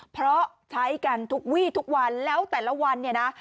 เพราะใช้กันทุกวี่ทุกวันแล้วแต่ละวันเนี่ยนะ